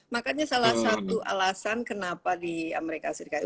makanya salah satu alasan kenapa di amerika serikat